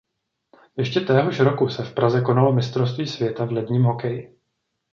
Ještě téhož roku se v Praze konalo Mistrovství světa v ledním hokeji.